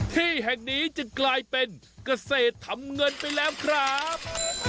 ที่แห่งนี้จึงกลายเป็นเกษตรทำเงินไปแล้วครับ